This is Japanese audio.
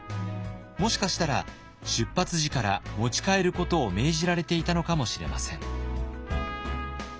もしかしたら出発時から持ち帰ることを命じられていたのかもしれません。